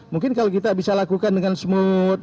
mungkin kalau kita bisa lakukan dengan smooth